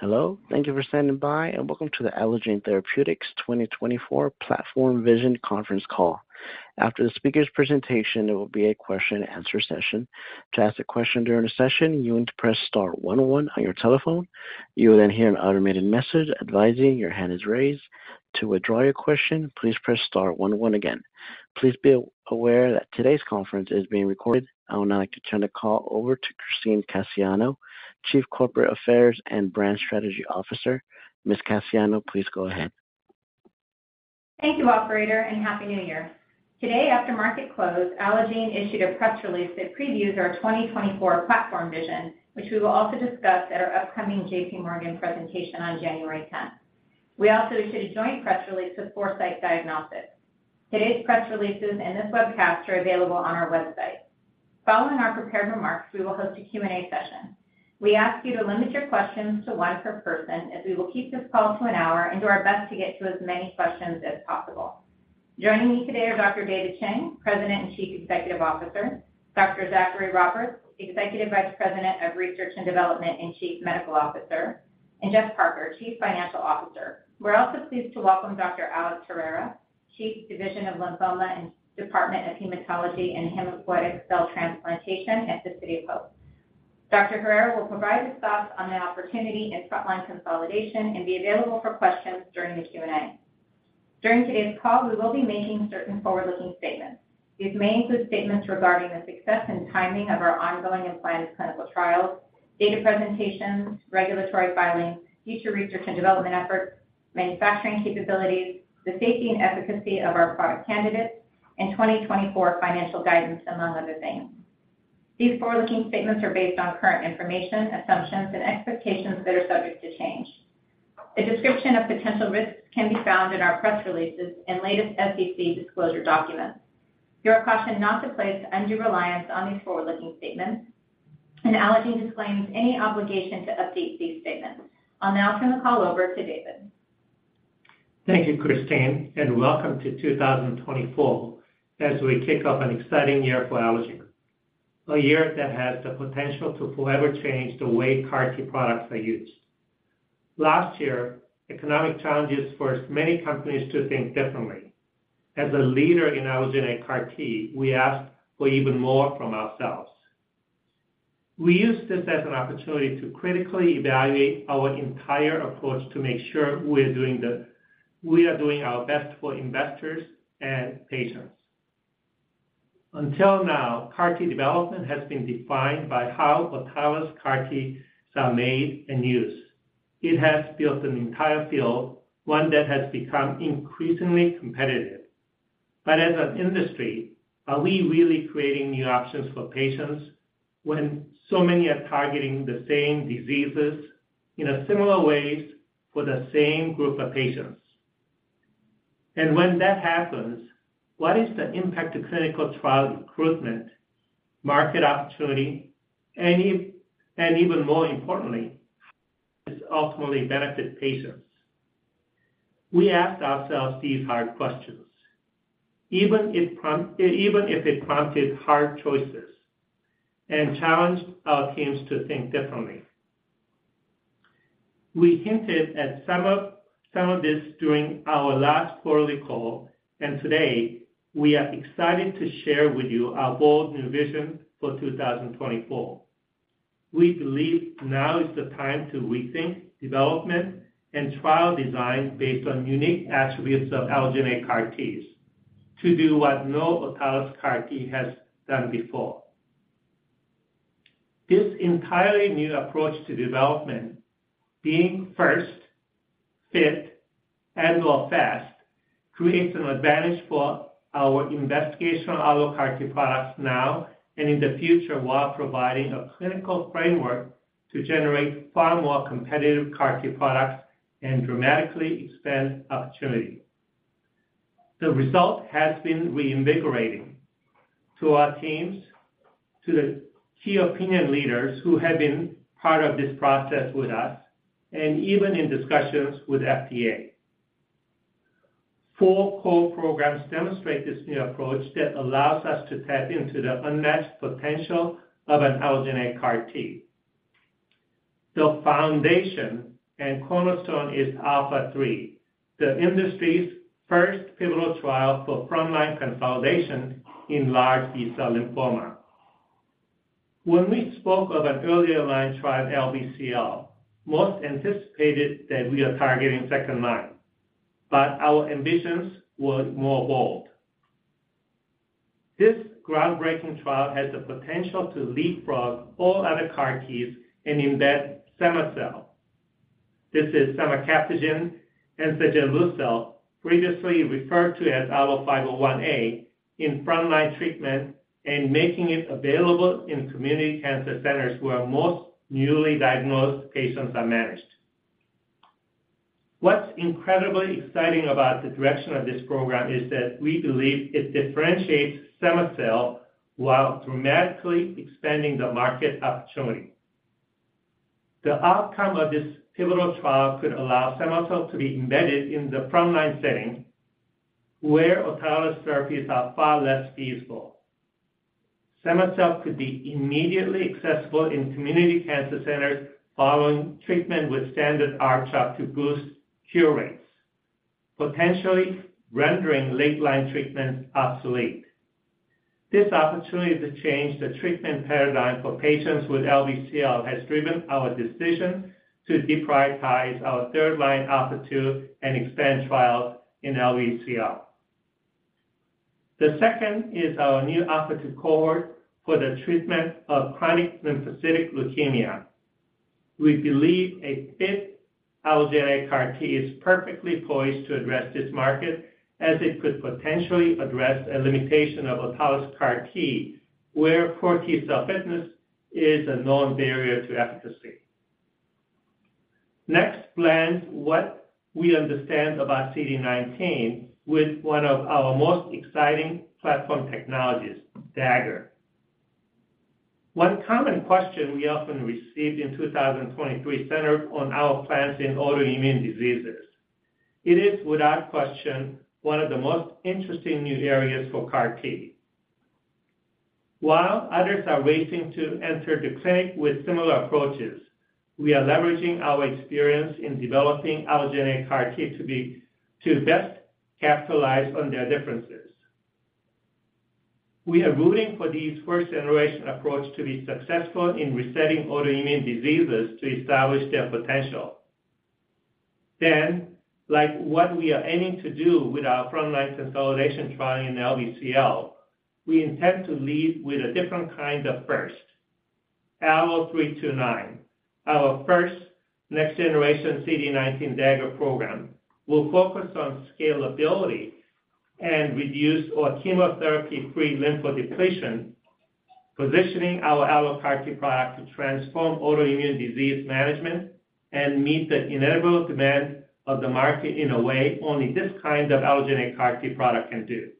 Hello, thank you for standing by, and welcome to the Allogene Therapeutics 2024 Platform Vision Conference Call. After the speaker's presentation, there will be a question and answer session. To ask a question during the session, you need to press star one zero one on your telephone. You will then hear an automated message advising your hand is raised. To withdraw your question, please press star one one again. Please be aware that today's conference is being recorded. I would now like to turn the call over to Christine Cassiano, Chief Corporate Affairs and Brand Strategy Officer. Ms. Cassiano, please go ahead. Thank you, operator, and happy New Year. Today, after market close, Allogene issued a press release that previews our 2024 Platform Vision, which we will also discuss at our upcoming JPMorgan presentation on January 10th. We also issued a joint press release with Foresight Diagnostics. Today's press releases and this webcast are available on our website. Following our prepared remarks, we will host a Q&A session. We ask you to limit your questions to one per person, as we will keep this call to an hour and do our best to get to as many questions as possible. Joining me today are Dr. David Chang, President and Chief Executive Officer, Dr. Zachary Roberts, Executive Vice President of Research and Development and Chief Medical Officer, and Jeff Parker, Chief Financial Officer. We're also pleased to welcome Dr. Alex Herrera, Chief, Division of Lymphoma and Department of Hematology and Hematopoietic Cell Transplantation at the City of Hope. Dr. Herrera will provide his thoughts on the opportunity in frontline consolidation and be available for questions during the Q&A. During today's call, we will be making certain forward-looking statements. These may include statements regarding the success and timing of our ongoing and planned clinical trials, data presentations, regulatory filings, future research and development efforts, manufacturing capabilities, the safety and efficacy of our product candidates, and 2024 financial guidance, among other things. These forward-looking statements are based on current information, assumptions, and expectations that are subject to change. A description of potential risks can be found in our press releases and latest SEC disclosure documents. You're cautioned not to place undue reliance on these forward-looking statements, and Allogene disclaims any obligation to update these statements. I'll now turn the call over to David. Thank you, Christine, and welcome to 2024 as we kick off an exciting year for Allogene. A year that has the potential to forever change the way CAR T products are used. Last year, economic challenges forced many companies to think differently. As a leader in allogeneic CAR T, we asked for even more from ourselves. We used this as an opportunity to critically evaluate our entire approach to make sure we are doing our best for investors and patients. Until now, CAR T development has been defined by how the trial's CAR T are made and used. It has built an entire field, one that has become increasingly competitive. But as an industry, are we really creating new options for patients when so many are targeting the same diseases in a similar ways for the same group of patients? When that happens, what is the impact to clinical trial recruitment, market opportunity, and even more importantly, how does this ultimately benefit patients? We asked ourselves these hard questions, even if it prompted hard choices and challenged our teams to think differently. We hinted at some of this during our last quarterly call, and today, we are excited to share with you our bold new vision for 2024. We believe now is the time to rethink development and trial design based on unique attributes of allogeneic CAR Ts, to do what no autologous CAR T has done before. This entirely new approach to development, being first, fit, and well fast, creates an advantage for our investigational allo CAR T products now and in the future, while providing a clinical framework to generate far more competitive CAR T products and dramatically expand opportunity. The result has been reinvigorating to our teams, to the key opinion leaders who have been part of this process with us, and even in discussions with FDA. Four core programs demonstrate this new approach that allows us to tap into the unmatched potential of an allogeneic CAR T. The foundation and cornerstone is ALPHA3, the industry's first pivotal trial for frontline consolidation in large B-cell lymphoma. When we spoke of an earlier line trial, LBCL, most anticipated that we are targeting second line, but our ambitions were more bold. This groundbreaking trial has the potential to leapfrog all other CAR Ts and embed cema-cel. This is cema-cel, previously referred to as ALLO-501A, in frontline treatment and making it available in community cancer centers, where most newly diagnosed patients are managed. What's incredibly exciting about the direction of this program is that we believe it differentiates cema-cel while dramatically expanding the market opportunity. The outcome of this pivotal trial could allow cema-cel to be embedded in the frontline setting, where autologous therapies are far less feasible. Cema-cel could be immediately accessible in community cancer centers following treatment with standard R-CHOP to boost cure rates, potentially rendering late-line treatments obsolete. This opportunity to change the treatment paradigm for patients with LBCL has driven our decision to deprioritize our third-line ALPHA2 expanded trial in LBCL. The second is our new ALPHA2 cohort for the treatment of chronic lymphocytic leukemia. We believe a fifth allogeneic CAR T is perfectly poised to address this market, as it could potentially address a limitation of autologous CAR T, where poor T-cell fitness is a known barrier to efficacy. Next blends what we understand about CD19 with one of our most exciting platform technologies, Dagger. One common question we often received in 2023 centered on our plans in autoimmune diseases. It is, without question, one of the most interesting new areas for CAR T. While others are racing to enter the clinic with similar approaches, we are leveraging our experience in developing allogeneic CAR T to best capitalize on their differences. We are rooting for these first-generation approach to be successful in resetting autoimmune diseases to establish their potential. Then, like what we are aiming to do with our frontline consolidation trial in LBCL, we intend to lead with a different kind of first. ALLO-329, our first next-generation CD19 Dagger program, will focus on scalability and reduce our chemotherapy-free lymphodepletion, positioning AlloCAR T product to transform autoimmune disease management and meet the inevitable demand of the market in a way only this kind of allogeneic CAR T product can do.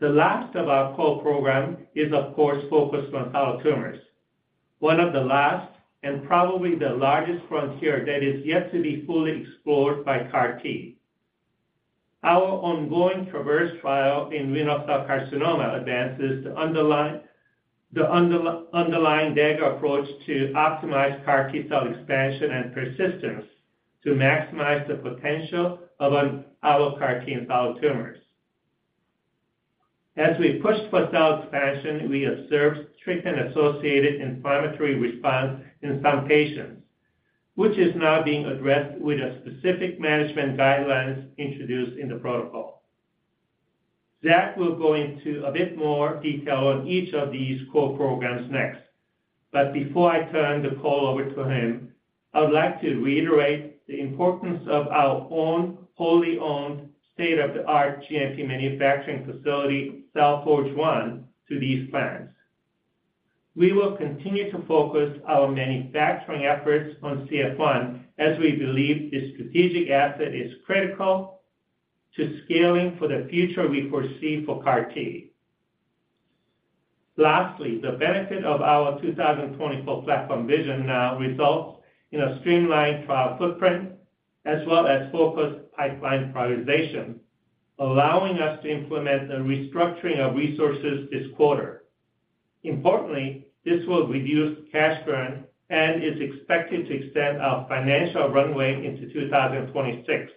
The last of our core program is, of course, focused on solid tumors, one of the last and probably the largest frontier that is yet to be fully explored by CAR T. Our ongoing TRAVERSE trial in renal cell carcinoma advances the underlying Dagger approach to optimize CAR T cell expansion and persistence to maximize the potential of AlloCAR T in solid tumors. As we push for cell expansion, we observed treatment-associated inflammatory response in some patients, which is now being addressed with a specific management guidelines introduced in the protocol. Zach will go into a bit more detail on each of these core programs next. But before I turn the call over to him, I would like to reiterate the importance of our own wholly owned, state-of-the-art GMP manufacturing facility, CellForge 1, to these plans. We will continue to focus our manufacturing efforts on CF1, as we believe this strategic asset is critical to scaling for the future we foresee for CAR T. Lastly, the benefit of our 2024 platform vision now results in a streamlined trial footprint as well as focused pipeline prioritization, allowing us to implement the restructuring of resources this quarter. Importantly, this will reduce cash burn and is expected to extend our financial runway into 2026.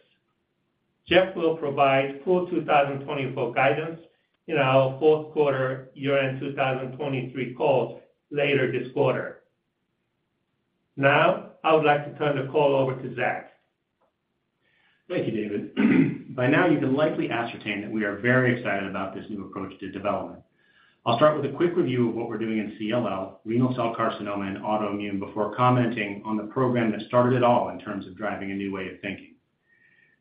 Jeff will provide full 2024 guidance in our fourth quarter year-end 2023 calls later this quarter. Now, I would like to turn the call over to Zach. Thank you, David. By now, you can likely ascertain that we are very excited about this new approach to development. I'll start with a quick review of what we're doing in CLL, renal cell carcinoma, and autoimmune before commenting on the program that started it all in terms of driving a new way of thinking.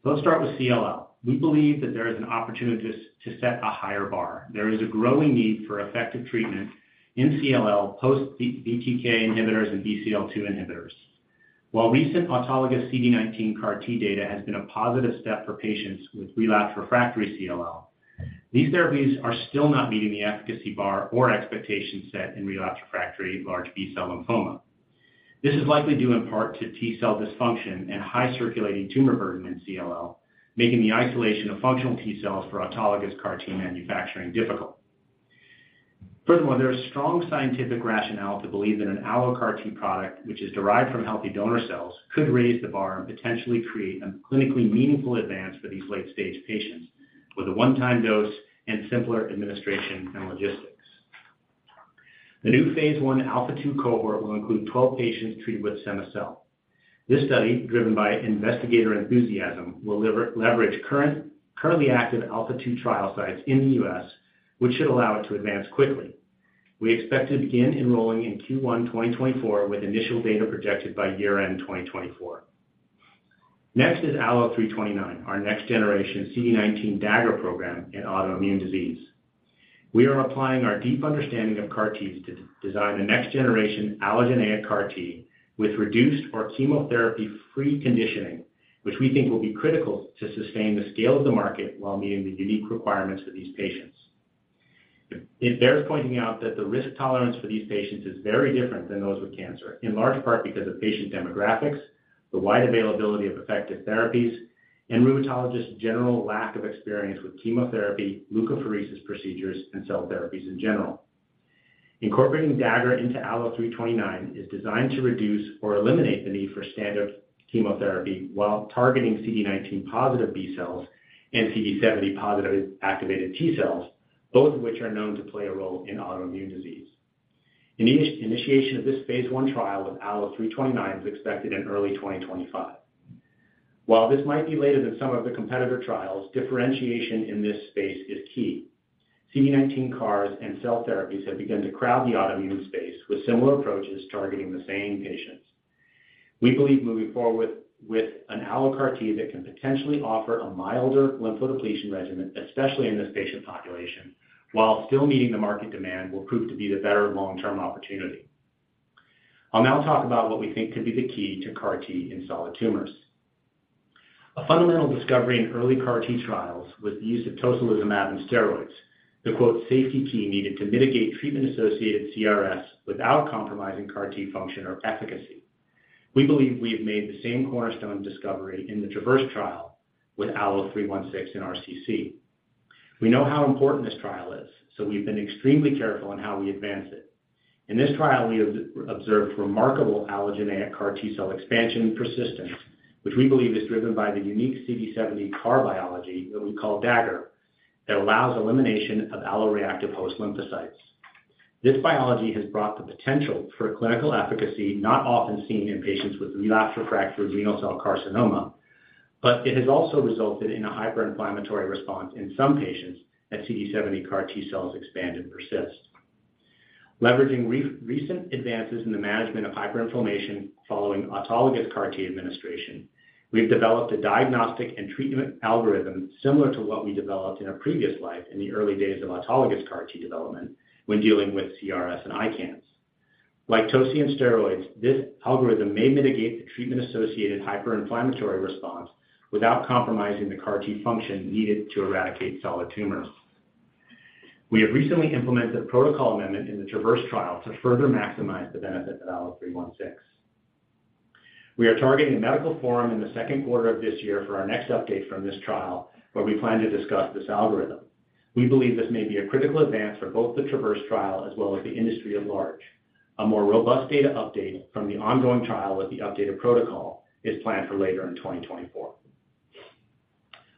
Let's start with CLL. We believe that there is an opportunity to set a higher bar. There is a growing need for effective treatment in CLL, post-BTK inhibitors and BCL-2 inhibitors. While recent autologous CD19 CAR T data has been a positive step for patients with relapsed refractory CLL, these therapies are still not meeting the efficacy bar or expectations set in relapsed refractory large B-cell lymphoma. This is likely due in part to T-cell dysfunction and high circulating tumor burden in CLL, making the isolation of functional T-cells for autologous CAR T manufacturing difficult. Furthermore, there is strong scientific rationale to believe that AlloCAR T product, which is derived from healthy donor cells, could raise the bar and potentially create a clinically meaningful advance for these late-stage patients, with a one-time dose and simpler administration and logistics. The new phase I ALPHA2 cohort will include 12 patients treated with cema-cel. This study, driven by investigator enthusiasm, will leverage currently active ALPHA2 trial sites in the U.S., which should allow it to advance quickly. We expect to begin enrolling in Q1 2024, with initial data projected by year-end 2024. Next is ALLO-329, our next-generation CD19 Dagger program in autoimmune disease. We are applying our deep understanding of CAR Ts to design a next-generation allogeneic CAR T with reduced or chemotherapy-free conditioning, which we think will be critical to sustain the scale of the market while meeting the unique requirements of these patients. It bears pointing out that the risk tolerance for these patients is very different than those with cancer, in large part because of patient demographics, the wide availability of effective therapies... and rheumatologists' general lack of experience with chemotherapy, leukapheresis procedures, and cell therapies in general. Incorporating Dagger into ALLO- is designed to reduce or eliminate the need for standard chemotherapy while targeting CD19 positive B-cells and CD70+ activated T-cells, both of which are known to play a role in autoimmune disease. Initiation of this phase one trial with ALLO- is expected in early 2025. While this might be later than some of the competitor trials, differentiation in this space is key. CD19 CARs and cell therapies have begun to crowd the autoimmune space, with similar approaches targeting the same patients. We believe moving forward with an AlloCAR T that can potentially offer a milder lymphodepletion regimen, especially in this patient population, while still meeting the market demand, will prove to be the better long-term opportunity. I'll now talk about what we think could be the key to CAR T in solid tumors. A fundamental discovery in early CAR T trials was the use of tocilizumab and steroids, the "safety key" needed to mitigate treatment-associated CRS without compromising CAR T function or efficacy. We believe we have made the same cornerstone discovery in the TRAVERSE trial with ALLO-316 in RCC. We know how important this trial is, so we've been extremely careful in how we advance it. In this trial, we have observed remarkable allogeneic CAR T cell expansion persistence, which we believe is driven by the unique CD70 CAR biology that we call Dagger, that allows elimination of alloreactive host lymphocytes. This biology has brought the potential for clinical efficacy, not often seen in patients with relapsed/refractory renal cell carcinoma, but it has also resulted in a hyperinflammatory response in some patients as CD70 CAR T cells expand and persist. Leveraging recent advances in the management of hyperinflammation following autologous CAR T administration, we've developed a diagnostic and treatment algorithm similar to what we developed in our previous life in the early days of autologous CAR T development when dealing with CRS and ICANS. Like toci and steroids, this algorithm may mitigate the treatment-associated hyperinflammatory response without compromising the CAR T function needed to eradicate solid tumors. We have recently implemented a protocol amendment in the TRAVERSE trial to further maximize the benefit of ALLO-316. We are targeting a medical forum in the second quarter of this year for our next update from this trial, where we plan to discuss this algorithm. We believe this may be a critical advance for both the TRAVERSE trial as well as the industry at large. A more robust data update from the ongoing trial with the updated protocol is planned for later in 2024.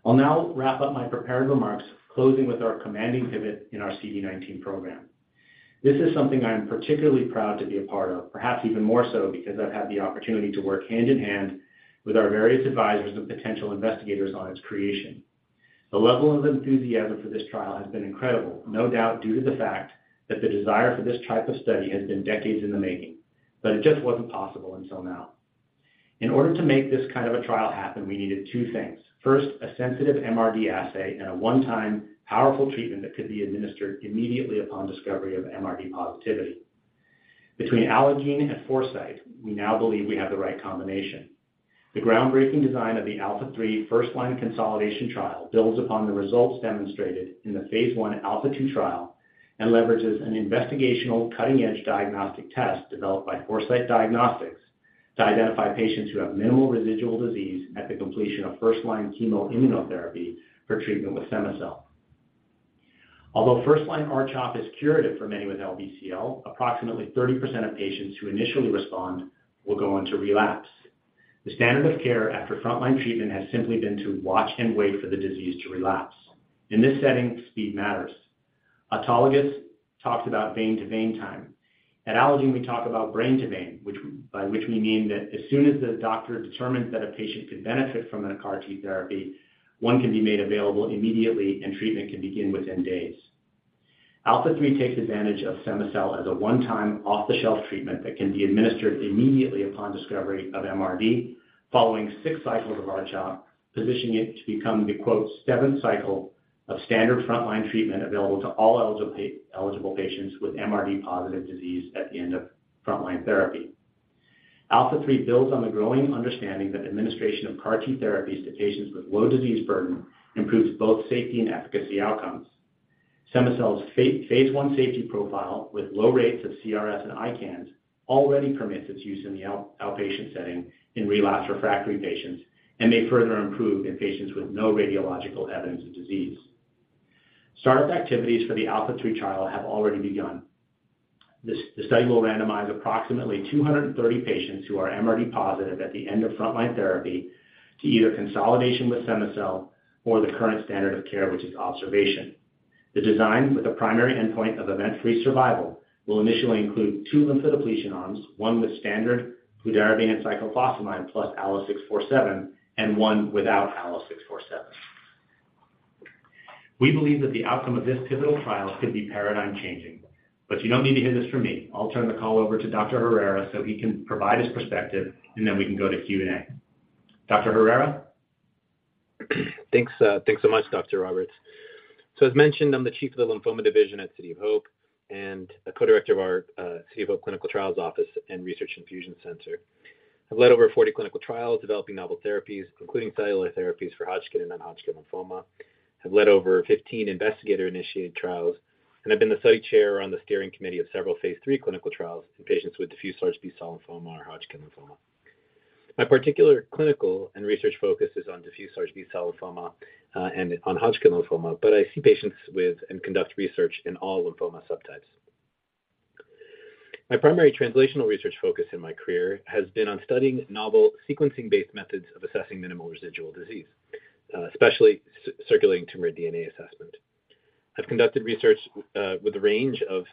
I'll now wrap up my prepared remarks, closing with our commanding pivot in our CD19 program. This is something I am particularly proud to be a part of, perhaps even more so because I've had the opportunity to work hand-in-hand with our various advisors and potential investigators on its creation. The level of enthusiasm for this trial has been incredible, no doubt due to the fact that the desire for this type of study has been decades in the making, but it just wasn't possible until now. In order to make this kind of a trial happen, we needed two things. First, a sensitive MRD assay and a one-time powerful treatment that could be administered immediately upon discovery of MRD positivity. Between Allogene and Foresight, we now believe we have the right combination. The groundbreaking design of the ALPHA3 first-line consolidation trial builds upon the results demonstrated in the phase I ALPHA2 trial and leverages an investigational cutting-edge diagnostic test developed by Foresight Diagnostics to identify patients who have minimal residual disease at the completion of first-line chemoimmunotherapy for treatment with cema-cel. Although first-line R-CHOP is curative for many with LBCL, approximately 30% of patients who initially respond will go on to relapse. The standard of care after frontline treatment has simply been to watch and wait for the disease to relapse. In this setting, speed matters. Autologous talks about vein-to-vein time. At Allogene, we talk about brain-to-vein, which, by which we mean that as soon as the doctor determines that a patient could benefit from a CAR T therapy, one can be made available immediately, and treatment can begin within days. ALPHA3 takes advantage of cema-cel as a one-time, off-the-shelf treatment that can be administered immediately upon discovery of MRD, following six cycles of R-CHOP, positioning it to become the "seventh cycle" of standard frontline treatment available to all eligible patients with MRD-positive disease at the end of frontline therapy. ALPHA3 builds on the growing understanding that administration of CAR T therapies to patients with low disease burden improves both safety and efficacy outcomes. Cema-cel's phase one safety profile, with low rates of CRS and ICANS, already permits its use in the outpatient setting in relapsed/refractory patients and may further improve in patients with no radiological evidence of disease. Startup activities for the ALPHA3 trial have already begun. This, the study will randomize approximately 230 patients who are MRD positive at the end of frontline therapy to either consolidation with cema-cel or the current standard of care, which is observation. The design, with a primary endpoint of event-free survival, will initially include two lymphodepletion arms, one with standard fludarabine and cyclophosphamide plus ALLO-647 and one without ALLO-647. We believe that the outcome of this pivotal trial could be paradigm changing, but you don't need to hear this from me. I'll turn the call over to Dr. Herrera, so he can provide his perspective, and then we can go to Q&A. Dr. Herrera? Thanks, thanks so much, Dr. Roberts. So as mentioned, I'm the Chief of the Lymphoma Division at City of Hope and the Co-director of our City of Hope Clinical Trials Office and Research Infusion Center. I've led over 40 clinical trials developing novel therapies, including cellular therapies for Hodgkin and non-Hodgkin lymphoma. I've led over 15 investigator-initiated trials and have been the study chair on the steering committee of several phase iii clinical trials in patients with diffuse large B-cell lymphoma or Hodgkin lymphoma. My particular clinical and research focus is on diffuse large B-cell lymphoma and on Hodgkin lymphoma, but I see patients with and conduct research in all lymphoma subtypes. My primary translational research focus in my career has been on studying novel sequencing-based methods of assessing minimal residual disease, especially circulating tumor DNA assessment. I've conducted research with a range of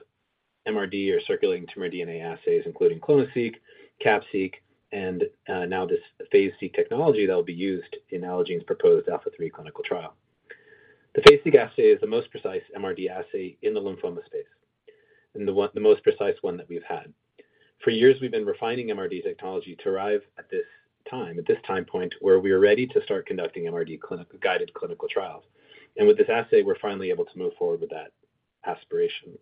MRD or circulating tumor DNA assays, including clonoSEQ, CAPP-Seq, and now this PhasED-Seq technology that will be used in Allogene's proposed ALPHA3 clinical trial. The PhasED-Seq assay is the most precise MRD assay in the lymphoma space, and the one—the most precise one that we've had. For years, we've been refining MRD technology to arrive at this time point, where we are ready to start conducting MRD clinical guided clinical trials. And with this assay, we're finally able to move forward with that aspiration.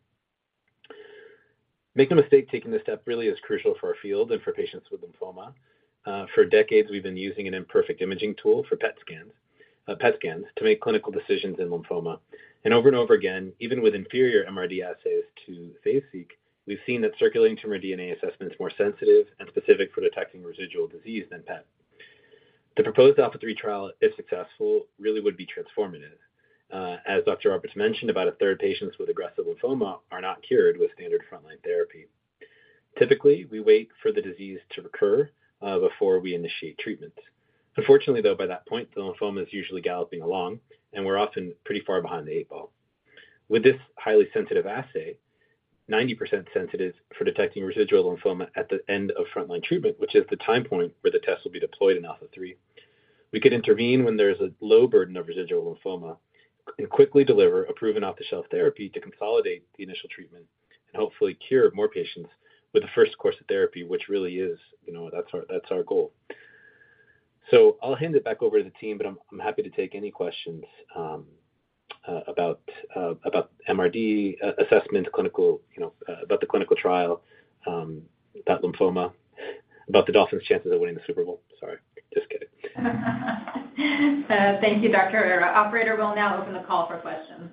Making the mistake, taking this step really is crucial for our field and for patients with lymphoma. For decades, we've been using an imperfect imaging tool for PET scans, PET scans to make clinical decisions in lymphoma. Over and over again, even with inferior MRD assays to PhasED-Seq, we've seen that circulating tumor DNA assessment is more sensitive and specific for detecting residual disease than PET. The proposed ALPHA3 trial, if successful, really would be transformative. As Dr. Roberts mentioned, about a third of patients with aggressive lymphoma are not cured with standard frontline therapy. Typically, we wait for the disease to recur before we initiate treatment. Unfortunately, though, by that point, the lymphoma is usually galloping along, and we're often pretty far behind the eight ball. With this highly sensitive assay, 90% sensitive for detecting residual lymphoma at the end of frontline treatment, which is the time point where the test will be deployed in ALPHA3, we could intervene when there is a low burden of residual lymphoma and quickly deliver a proven off-the-shelf therapy to consolidate the initial treatment and hopefully cure more patients with the first course of therapy, which really is, you know, that's our, that's our goal. So I'll hand it back over to the team, but I'm happy to take any questions about MRD assessment, clinical, you know, about the clinical trial, about lymphoma, about the Dolphins' chances of winning the Super Bowl. Sorry, just kidding. Thank you, Dr. Herrera. Operator, we'll now open the call for questions.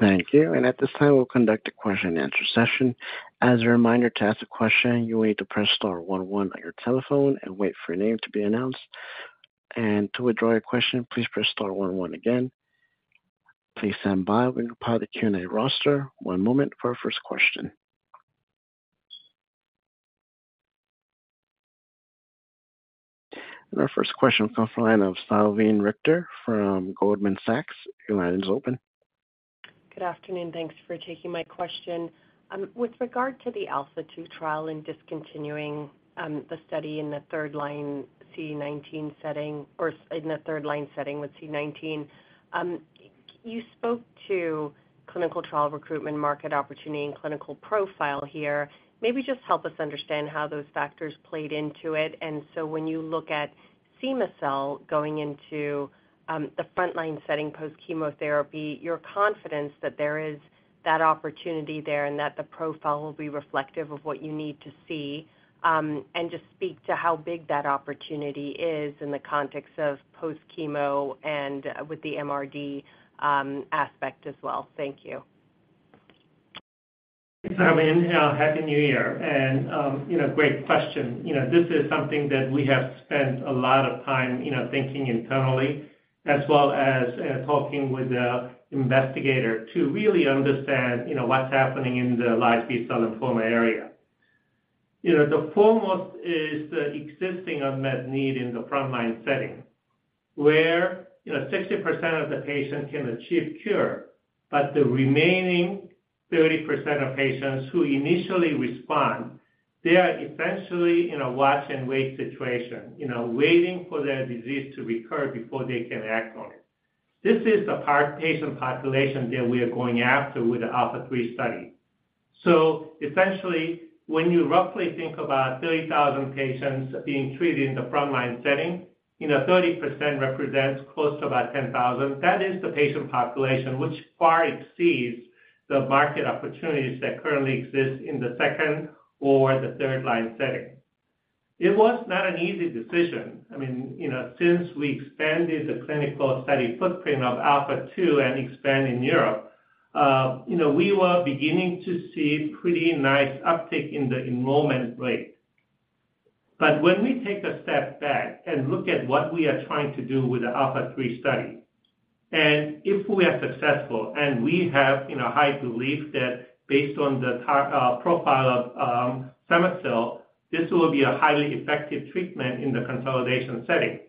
Thank you. At this time, we'll conduct a question-and-answer session. As a reminder, to ask a question, you will need to press star one one on your telephone and wait for your name to be announced. To withdraw your question, please press star one one again. Please stand by when you apply the Q&A roster. One moment for our first question. Our first question comes from the line of Salveen Richter from Goldman Sachs. Your line is open. Good afternoon. Thanks for taking my question. With regard to the ALPHA2 trial and discontinuing the study in the third line CD19 setting or in the third line setting with CD19, you spoke to clinical trial recruitment, market opportunity, and clinical profile here. Maybe just help us understand how those factors played into it. And so when you look at cema-cel going into the frontline setting post-chemotherapy, your confidence that there is that opportunity there and that the profile will be reflective of what you need to see, and just speak to how big that opportunity is in the context of post-chemo and with the MRD aspect as well. Thank you. Thanks, Salveen. Happy New Year, and, you know, great question. You know, this is something that we have spent a lot of time, you know, thinking internally, as well as, talking with the investigator to really understand, you know, what's happening in the large B-cell lymphoma area. You know, the foremost is the existing unmet need in the frontline setting, where, you know, 60% of the patients can achieve cure, but the remaining 30% of patients who initially respond, they are essentially in a watch-and-wait situation, you know, waiting for their disease to recur before they can act on it. This is the part patient population that we are going after with the ALPHA3 study. So essentially, when you roughly think about 30,000 patients being treated in the frontline setting, you know, 30% represents close to about 10,000. That is the patient population, which far exceeds the market opportunities that currently exist in the second or the third line setting. It was not an easy decision. I mean, you know, since we expanded the clinical study footprint of ALPHA2 and expand in Europe, you know, we were beginning to see pretty nice uptick in the enrollment rate. But when we take a step back and look at what we are trying to do with the ALPHA3 study, and if we are successful, and we have, you know, high belief that based on the profile of cema-cel, this will be a highly effective treatment in the consolidation setting.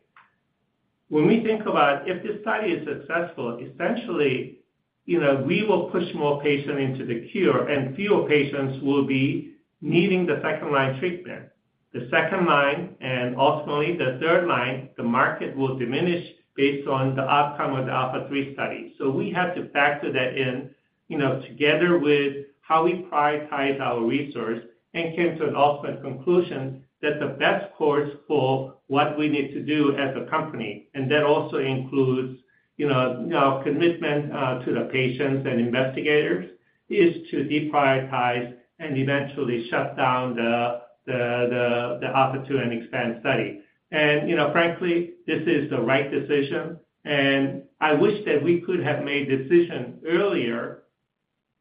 When we think about if this study is successful, essentially, you know, we will push more patients into the cure, and fewer patients will be needing the second-line treatment. The second line and ultimately the third line, the market will diminish based on the outcome of the ALPHA3 study. So we have to factor that in, you know, together with how we prioritize our resource and came to an ultimate conclusion that the best course for what we need to do as a company, and that also includes, you know, commitment to the patients and investigators... is to deprioritize and eventually shut down the ALPHA2 and expand study. And, you know, frankly, this is the right decision, and I wish that we could have made decision earlier,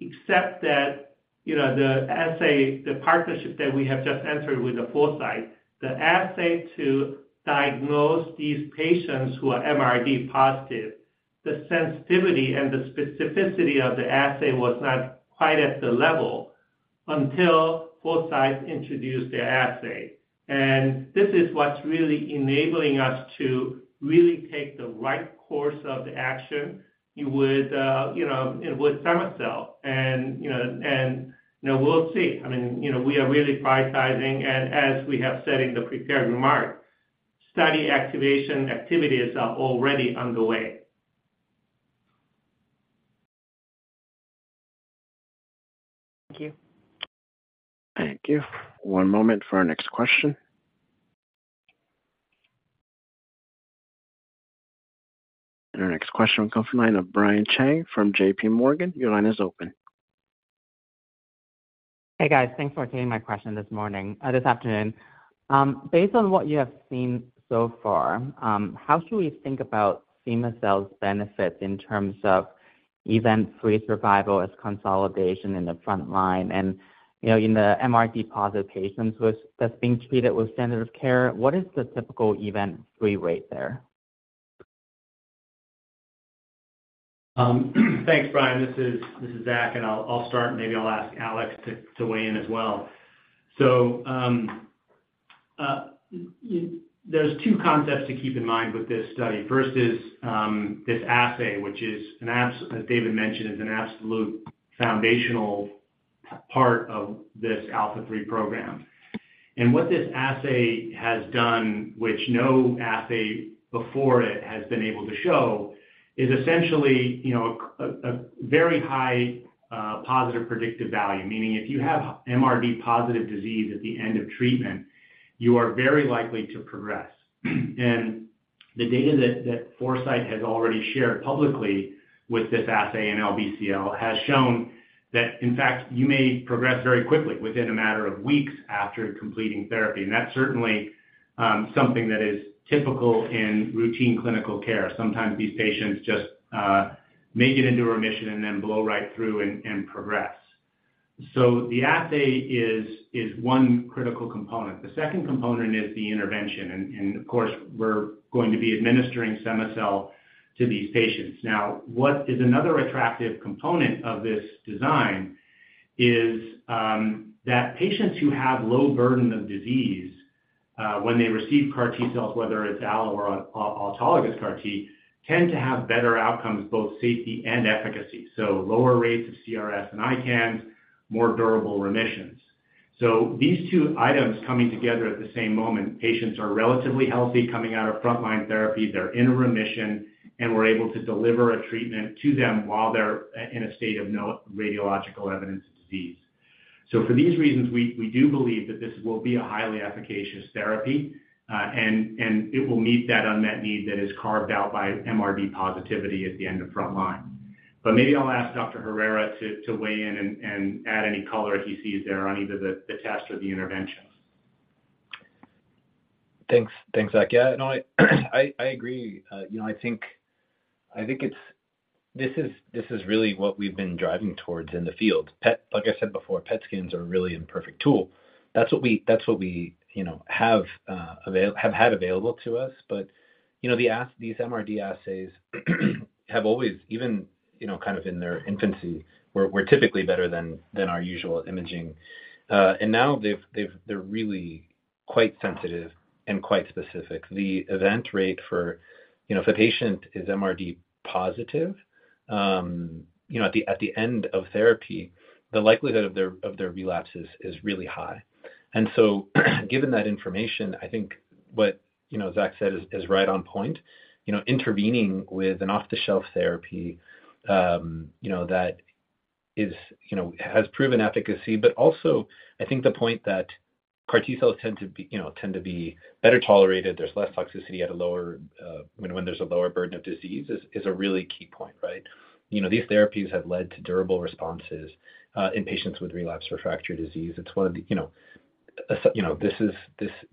except that, you know, the assay, the partnership that we have just entered with the Foresight, the assay to diagnose these patients who are MRD positive, the sensitivity and the specificity of the assay was not quite at the level until Foresight introduced their assay. This is what's really enabling us to really take the right course of action. You would, you know, it would cema-sell, and, you know, and, you know, we'll see. I mean, you know, we are really prioritizing, and as we have said in the prepared remark, study activation activities are already underway. Thank you. Thank you. One moment for our next question. Our next question will come from line of Brian Cheng from JPMorgan. Your line is open. Hey, guys. Thanks for taking my question this morning, this afternoon. Based on what you have seen so far, how should we think about cema-cel's benefits in terms of event-free survival as consolidation in the front line? And, you know, in the MRD positive patients with, that's being treated with standard of care, what is the typical event-free rate there? Thanks, Brian. This is Zach, and I'll start, maybe I'll ask Alex to weigh in as well. So, there's two concepts to keep in mind with this study. First is this assay, which, as David mentioned, is an absolute foundational part of this ALPHA3 program. And what this assay has done, which no assay before it has been able to show, is essentially, you know, a very high positive predictive value, meaning if you have MRD-positive disease at the end of treatment, you are very likely to progress. And the data that Foresight has already shared publicly with this assay in LBCL has shown that, in fact, you may progress very quickly, within a matter of weeks after completing therapy. And that's certainly something that is typical in routine clinical care. Sometimes these patients just may get into remission and then blow right through and progress. So the assay is one critical component. The second component is the intervention, and of course, we're going to be administering cema-cel to these patients. Now, what is another attractive component of this design is that patients who have low burden of disease when they receive CAR T cells, whether it's Allo or autologous CAR T, tend to have better outcomes, both safety and efficacy, so lower rates of CRS and ICANS, more durable remissions. So these two items coming together at the same moment, patients are relatively healthy coming out of frontline therapy, they're in remission, and we're able to deliver a treatment to them while they're in a state of no radiological evidence of disease. So for these reasons, we do believe that this will be a highly efficacious therapy, and it will meet that unmet need that is carved out by MRD positivity at the end of frontline. But maybe I'll ask Dr. Herrera to weigh in and add any color he sees there on either the test or the intervention. Thanks. Thanks, Zach. Yeah, no, I agree. You know, I think it's—this is really what we've been driving towards in the field. Like I said before, PET scans are a really imperfect tool. That's what we have had available to us. But you know, these MRD assays have always even, you know, kind of in their infancy, were typically better than our usual imaging. And now they're really quite sensitive and quite specific. The event rate for, you know, if a patient is MRD positive, you know, at the end of therapy, the likelihood of their relapse is really high. And so given that information, I think what you know, Zach said is right on point. You know, intervening with an off-the-shelf therapy, you know, that is, you know, has proven efficacy, but also, I think the point that CAR T cells tend to be, you know, tend to be better tolerated, there's less toxicity at a lower, when there's a lower burden of disease is a really key point, right? You know, these therapies have led to durable responses in patients with relapsed refractory disease. It's one of the, you know, this is,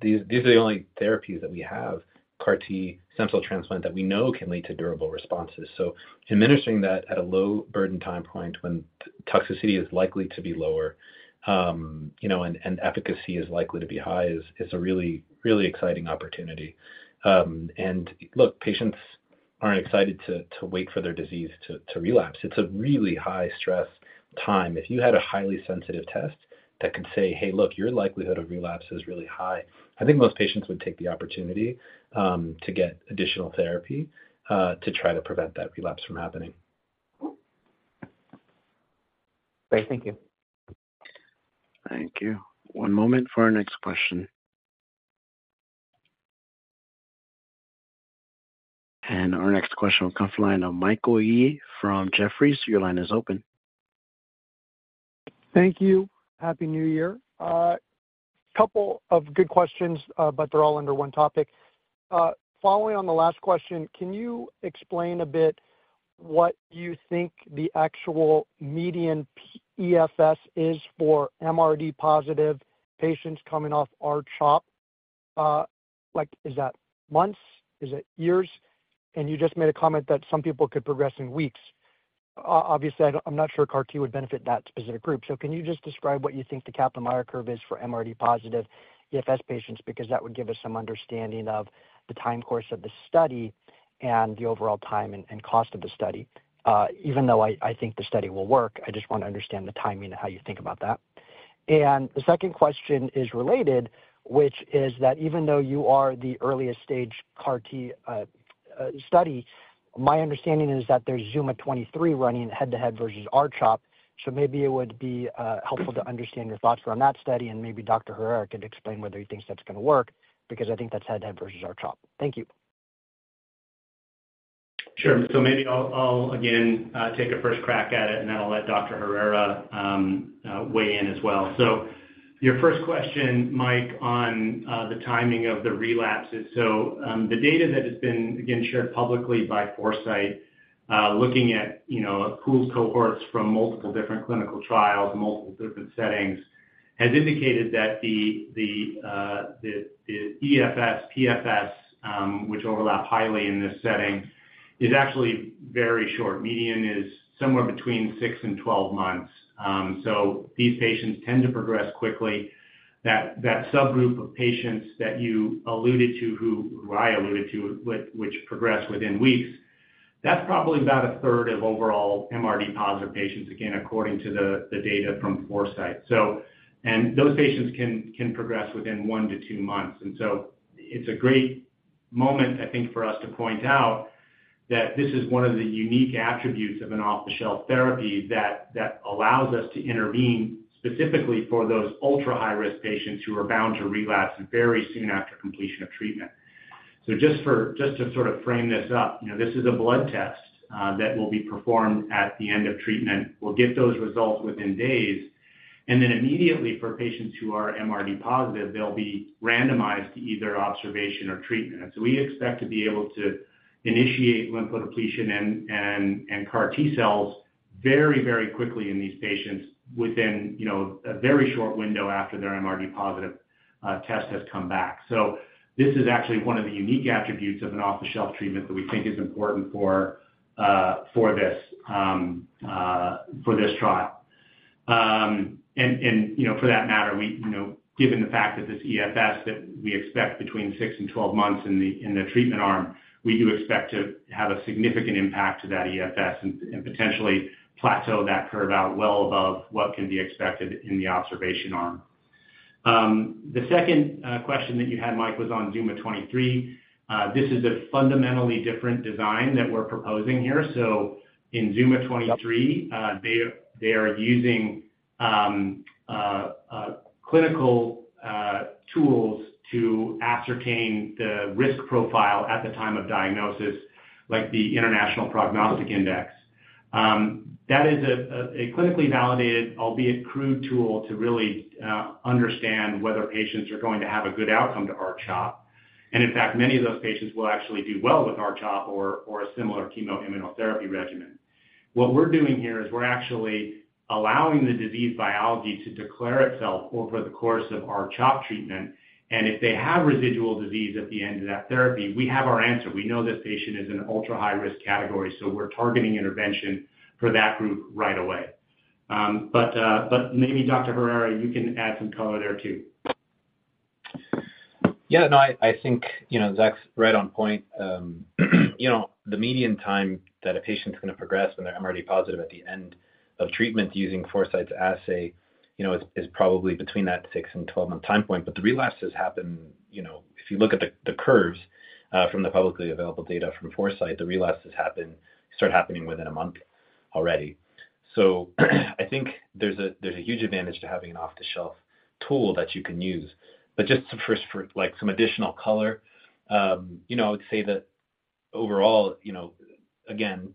these are the only therapies that we have, CAR T cell transplant, that we know can lead to durable responses. So administering that at a low burden time point when toxicity is likely to be lower, you know, and efficacy is likely to be high is a really, really exciting opportunity. Look, patients aren't excited to wait for their disease to relapse. It's a really high-stress time. If you had a highly sensitive test that could say, "Hey, look, your likelihood of relapse is really high," I think most patients would take the opportunity to get additional therapy to try to prevent that relapse from happening. Great. Thank you. Thank you. One moment for our next question. Our next question will come from line of Michael Yee from Jefferies. Your line is open. Thank you. Happy New Year. Couple of good questions, but they're all under one topic. Following on the last question, can you explain a bit what you think the actual median EFS is for MRD positive patients coming off R-CHOP? Like, is that months? Is it years? And you just made a comment that some people could progress in weeks. Obviously, I'm not sure CAR T would benefit that specific group. So can you just describe what you think the Kaplan-Meier curve is for MRD positive EFS patients? Because that would give us some understanding of the time course of the study and the overall time and cost of the study. Even though I think the study will work, I just want to understand the timing and how you think about that. The second question is related, which is that even though you are the earliest stage CAR T study, my understanding is that there's ZUMA-23 running head-to-head versus R-CHOP. So maybe it would be helpful to understand your thoughts around that study, and maybe Dr. Herrera could explain whether he thinks that's gonna work, because I think that's head-to-head versus R-CHOP. Thank you. Sure. So maybe I'll, I'll again, take a first crack at it, and then I'll let Dr. Herrera weigh in as well. So your first question, Mike, on the timing of the relapses. So the data that has been, again, shared publicly by Foresight, looking at, you know, pooled cohorts from multiple different clinical trials, multiple different settings, has indicated that the EFS, PFS, which overlap highly in this setting, is actually very short. Median is somewhere between six and 12 months. So these patients tend to progress quickly. That subgroup of patients that you alluded to, who I alluded to, which progress within weeks, that's probably about a third of overall MRD positive patients, again, according to the data from Foresight. And those patients can progress within one to two months. So it's a great moment, I think, for us to point out that this is one of the unique attributes of an off-the-shelf therapy that allows us to intervene specifically for those ultra high-risk patients who are bound to relapse very soon after completion of treatment. So just to sort of frame this up, you know, this is a blood test that will be performed at the end of treatment. We'll get those results within days, and then immediately for patients who are MRD positive, they'll be randomized to either observation or treatment. So we expect to be able to initiate lymphodepletion and CAR T cells very, very quickly in these patients within, you know, a very short window after their MRD positive test has come back. So this is actually one of the unique attributes of an off-the-shelf treatment that we think is important for this trial. And, you know, for that matter, we, you know, given the fact that this EFS that we expect between six and 12 months in the treatment arm, we do expect to have a significant impact to that EFS and potentially plateau that curve out well above what can be expected in the observation arm. The second question that you had, Mike, was on ZUMA-23. This is a fundamentally different design that we're proposing here. So in ZUMA-23, they are using clinical tools to ascertain the risk profile at the time of diagnosis, like the International Prognostic Index. That is a clinically validated, albeit crude tool, to really understand whether patients are going to have a good outcome to R-CHOP. In fact, many of those patients will actually do well with R-CHOP or a similar chemo immunotherapy regimen. What we're doing here is we're actually allowing the disease biology to declare itself over the course of R-CHOP treatment, and if they have residual disease at the end of that therapy, we have our answer. We know this patient is in an ultra high-risk category, so we're targeting intervention for that group right away. But maybe Dr. Herrera, you can add some color there, too. Yeah, no, I think, you know, Zach's right on point. You know, the median time that a patient's gonna progress when they're MRD positive at the end of treatment using Foresight's assay, you know, is probably between that 6-12-month time point. But the relapses happen, you know, if you look at the curves from the publicly available data from Foresight, the relapses happen, start happening within a month already. So I think there's a huge advantage to having an off-the-shelf tool that you can use. But just some first for, like, some additional color, you know, I would say that overall, you know, again,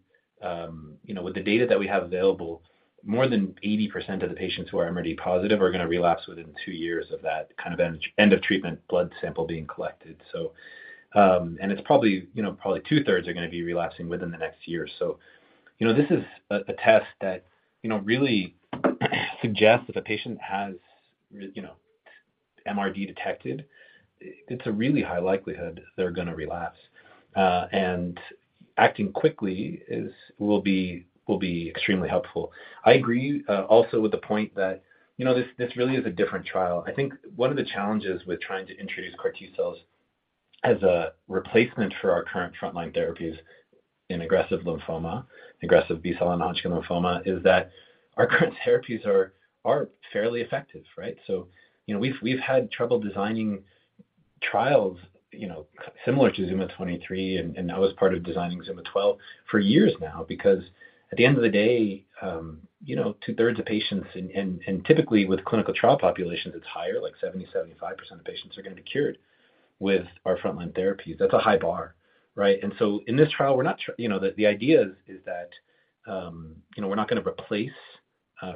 you know, with the data that we have available, more than 80% of the patients who are MRD+ are gonna relapse within two years of that kind of end of treatment blood sample being collected. So... And it's probably, you know, probably two-thirds are gonna be relapsing within the next year. So, you know, this is a test that, you know, really suggests if a patient has you know, MRD detected, it's a really high likelihood they're gonna relapse, and acting quickly will be, will be extremely helpful. I agree, also with the point that, you know, this, this really is a different trial. I think one of the challenges with trying to introduce CAR T cells as a replacement for our current frontline therapies in aggressive lymphoma, aggressive B-cell lymphoma, is that our current therapies are fairly effective, right? So, you know, we've had trouble designing trials, you know, similar to ZUMA-23, and I was part of designing ZUMA-12, for years now, because at the end of the day, you know, two-thirds of patients and typically with clinical trial populations, it's higher, like 70%-75% of patients are gonna be cured with our frontline therapies. That's a high bar, right? And so in this trial, we're not sure... You know, the idea is that you know, we're not going to replace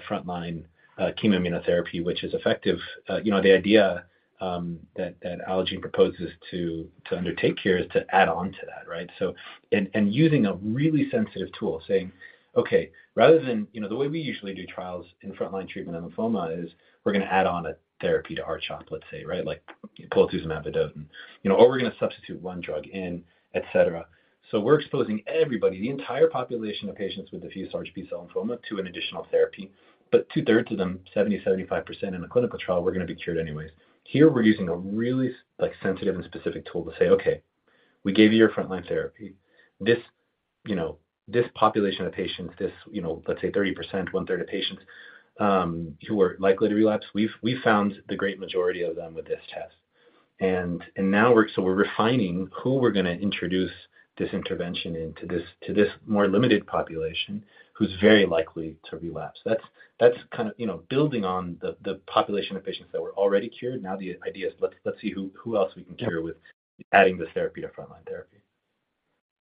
frontline chemo immunotherapy, which is effective. You know, the idea that Allogene proposes to undertake here is to add on to that, right? So, and using a really sensitive tool, saying, okay, rather than, you know, the way we usually do trials in frontline treatment of lymphoma is we're going to add on a therapy to R-CHOP, let's say, right? Like polatuzumab vedotin. You know, or we're going to substitute one drug in, et cetera. So we're exposing everybody, the entire population of patients with diffuse large B-cell lymphoma, to an additional therapy. But two-thirds of them, 70%-75% in a clinical trial, were going to be cured anyways. Here we're using a really, like, sensitive and specific tool to say, "Okay, we gave you your frontline therapy. This, you know, this population of patients, this, you know, let's say 30%, one-third of patients who are likely to relapse, we've found the great majority of them with this test." Now we're so refining who we're going to introduce this intervention into this, to this more limited population, who's very likely to relapse. That's kind of, you know, building on the population of patients that we're already cured. Now, the idea is, let's see who else we can cure with adding this therapy to frontline therapy.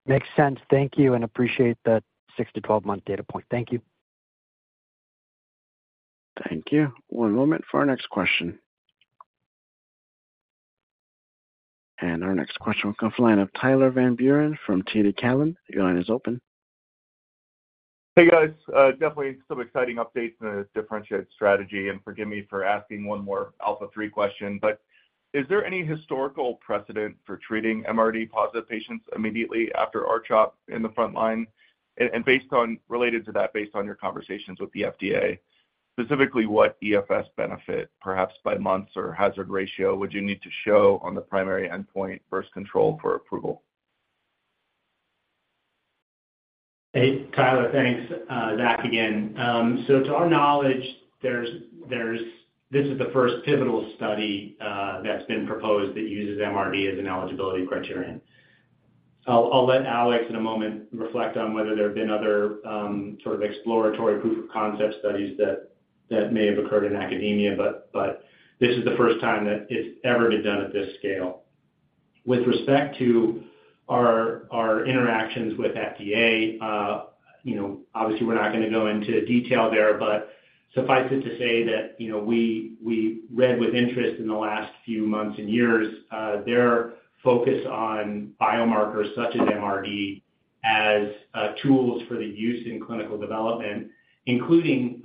Makes sense. Thank you, and appreciate the 6-12-month data point. Thank you. Thank you. One moment for our next question. Our next question will come from the line of Tyler Van Buren from TD Cowen. Your line is open. Hey, guys. Definitely some exciting updates in a differentiated strategy, and forgive me for asking one more ALPHA3 question, but is there any historical precedent for treating MRD+ patients immediately after R-CHOP in the front line? And, based on, related to that, based on your conversations with the FDA, specifically, what EFS benefit, perhaps by months or hazard ratio, would you need to show on the primary endpoint versus control for approval? Hey, Tyler. Thanks. Zach again. So to our knowledge, this is the first pivotal study that's been proposed that uses MRD as an eligibility criterion. I'll let Alex, in a moment, reflect on whether there have been other sort of exploratory proof-of-concept studies that may have occurred in academia, but this is the first time that it's ever been done at this scale. With respect to our interactions with FDA, you know, obviously, we're not going to go into detail there, but suffice it to say that, you know, we read with interest in the last few months and years their focus on biomarkers such as MRD as tools for the use in clinical development, including